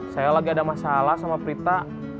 saya lagi ada masalah sama prita